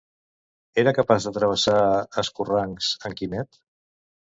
Era capaç de travessar escorrancs, en Quimet?